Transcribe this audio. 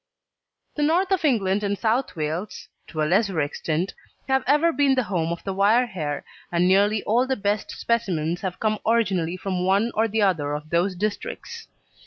The North of England and South Wales (to a lesser extent) have ever been the home of the wire hair, and nearly all the best specimens have come originally from one or the other of those districts.